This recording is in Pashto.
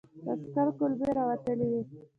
د عسکر کولمې را وتلې وې.